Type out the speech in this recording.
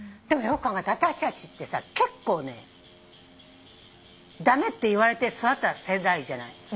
でもよく考えたら私たちってさ結構ね駄目って言われて育った世代じゃない？